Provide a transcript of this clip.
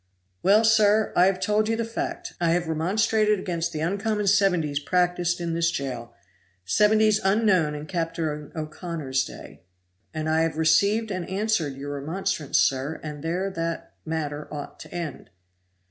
"Well, sir, I have told you the fact; I have remonstrated against the uncommon seventies practiced in this jail seventies unknown in Captain O'Connor's day." "And I have received and answered your remonstrance, sir, and there that matter ought to end."